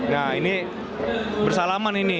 nah ini bersalaman ini